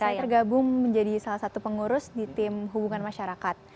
saya tergabung menjadi salah satu pengurus di tim hubungan masyarakat